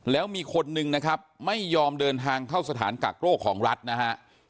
แล้วมีคนนึงนะครับไม่ยอมเดินทางเข้าสถานกักโรคของรัฐนะฮะ